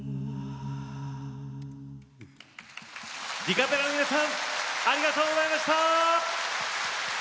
ディカペラの皆さんありがとうございました！